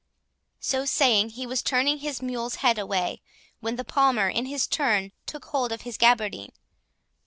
So saying, he was turning his mule's head away, when the Palmer, in his turn, took hold of his gaberdine.